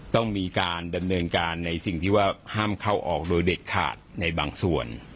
ต้องมีการดำเนินการในสิ่งที่ว่าห้ามเข้าออกโดยเด็ดขาดในบางส่วน